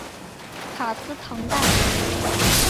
卡斯唐代。